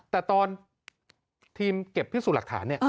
แต่ตอนทีมเก็บพิสูจน์หลักฐานเนี่ย